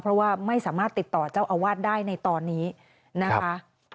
เพราะว่าไม่สามารถติดต่อเจ้าอาวาสได้ในตอนนี้นะคะ